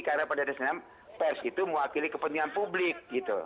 karena pada dasarnya pers itu mewakili kepentingan publik